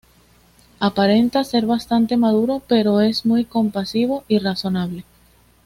Aparenta ser bastante maduro pero es muy compasivo y razonable.